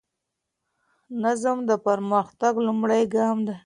نظم د پرمختګ لومړی ګام دی.